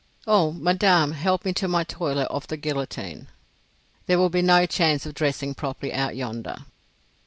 —Ohe, Madame, help me to my toilette of the guillotine! There will be no chance of dressing properly out yonder."